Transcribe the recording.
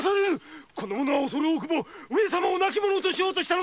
この者は恐れ多くも上様を亡き者にしようと。